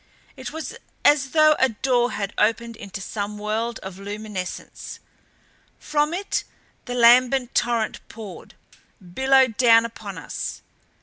It was as though a door had opened into some world of luminescence. From it the lambent torrent poured; billowed down upon us.